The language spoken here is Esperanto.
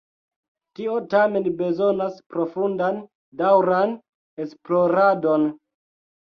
Tio tamen bezonas profundan, daŭran esploradon.